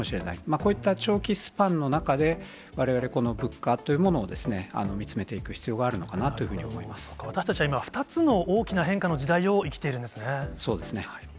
こういった長期スパンの中で、われわれ、この物価というものを見つめていく必要があるのかなというふうに私たちは今、２つの大きな変そうですね。